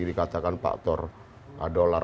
dikatakan faktor dolar